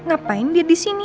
aku sudah selesai